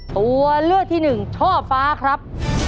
ตัวเลือกที่หนึ่งช่อฟ้าครับ